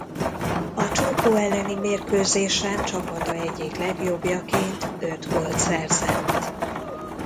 A Csurgó elleni mérkőzésen csapata egyik legjobbjaként öt gólt szerzett.